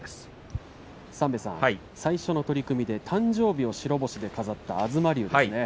最初の取組で誕生日を白星で飾った東龍です。